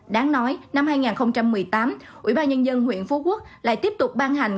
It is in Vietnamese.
đáng nói năm hai nghìn một mươi tám ủy ban nhân dân huyện phú quốc lại tiếp tục ban hành